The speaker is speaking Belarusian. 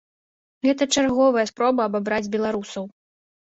Гэта чарговая спроба абабраць беларусаў.